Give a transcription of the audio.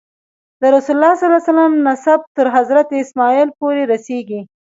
د رسول الله نسب تر حضرت اسماعیل پورې رسېږي.